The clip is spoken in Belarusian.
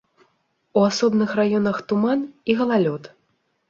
У асобных раёнах туман і галалёд.